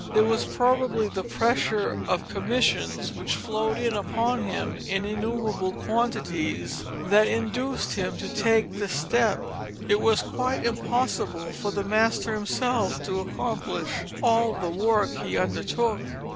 It was probably the pressure of commissions, which flowed in upon him in innumerable quantities, that induced him to take this step. It was quite impossible for the master himself to accomplish all the work he undertook.